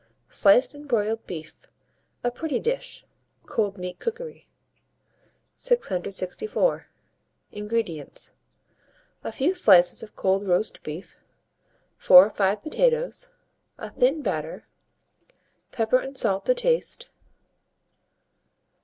SLICED AND BROILED BEEF a Pretty Dish (Cold Meat Cookery). 664. INGREDIENTS. A few slices of cold roast beef, 4 or 5 potatoes, a thin batter, pepper and salt to taste.